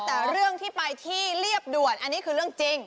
แต่เรื่องที่ไปที่เรียบด่วนอันนี้คือเรื่องจริง